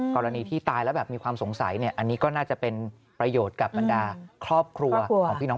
กรณีที่ตายแล้วแบบมีความสงสัยเนี่ยอันนี้ก็น่าจะเป็นประโยชน์กับบรรดาครอบครัวของพี่น้อง